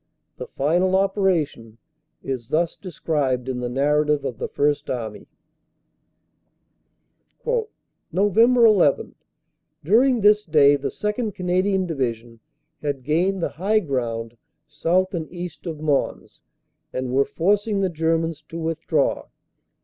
The final operation is thus described in the narrative of the First Army : "November 11 During this day the 2nd. Canadian Divi sion had gained the high ground south and east of Mons and were forcing the Germans to withdraw.